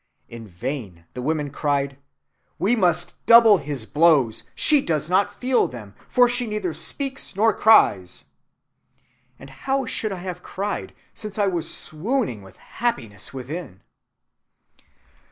In vain the women cried, 'We must double our blows; she does not feel them, for she neither speaks nor cries.' And how should I have cried, since I was swooning with happiness within?"